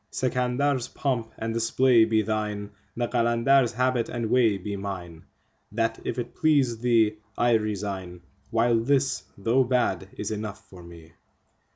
Sikandar's3 pomp and display be thine, the Qalandar's4 habit and way be mine; That, if it please thee, I resign, while this, though bad, is enough for me.